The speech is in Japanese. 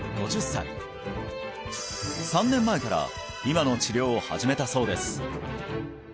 ５０歳３年前から今の治療を始めたそうです